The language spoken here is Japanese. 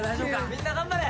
みんな頑張れ。